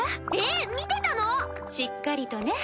えっ見てたの⁉しっかりとね。